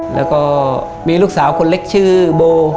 แล้วก็มีลูกสาวคนเล็กชื่อโบ